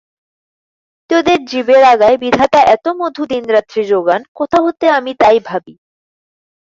তোদের জিবের আগায় বিধাতা এত মধু দিনরাত্রি জোগান কোথা হতে আমি তাই ভাবি।